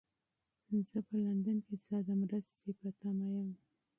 زه په لندن کې ستا د مرستې په تمه یم.